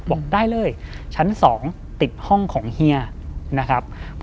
บอกได้เลยชั้น๒ติดห้องของเฮียนะครับ